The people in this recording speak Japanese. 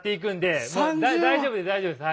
大丈夫です大丈夫です。